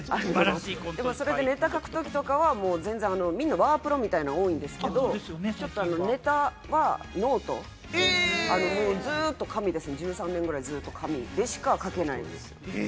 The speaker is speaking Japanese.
でもそれってネタ書くときとかは全然みんなワープロみたいなの多いんですけれども、ちょっと、ネタはノート、ずっと紙ですね、１３年ぐらいずっと紙でしか書けない。